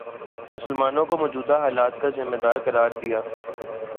مسلمانوں کے موجودہ حالات کا ذمہ دار قرار دیا